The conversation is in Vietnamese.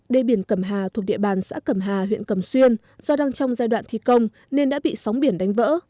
đê biển cẩm hà thuộc địa bàn xã cẩm hà huyện cầm xuyên do đang trong giai đoạn thi công nên đã bị sóng biển đánh vỡ